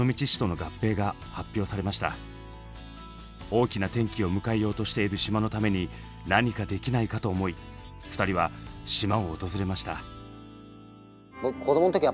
大きな転機を迎えようとしている島のために何かできないかと思い２人は島を訪れました。